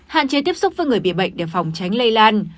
hạn chế tiếp xúc với người bị bệnh để phòng tránh lây lan